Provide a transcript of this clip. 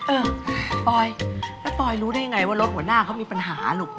เออปอยแล้วปอยรู้ได้ยังไงว่ารถหัวหน้าเขามีปัญหาลูก